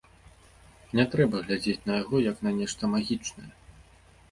Не трэба глядзець на яго як на нешта магічнае.